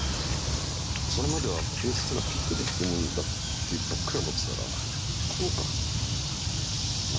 それまではベースっていうのはピックで弾くもんだってばっかり思ってたらこうかなるほどと。